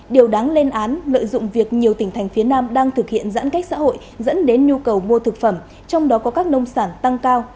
điều đáng lên án lợi dụng việc nhiều tỉnh thành phía nam đang thực hiện giãn cách xã hội dẫn đến nhu cầu mua thực phẩm trong đó có các nông sản tăng cao